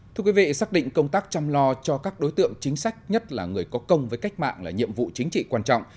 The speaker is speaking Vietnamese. thưa quý vị xác định công tác chăm lo cho các đối tượng chính sách nhất là người có công với cách mạng là nhiệm vụ chính trị quan trọng